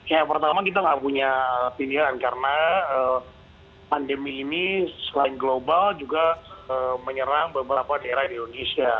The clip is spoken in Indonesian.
ya pertama kita nggak punya pilihan karena pandemi ini selain global juga menyerang beberapa daerah di indonesia